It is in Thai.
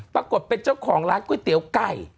ปรากฏเป็นเจ้าของร้านก๋วยเตี๋ยวไก่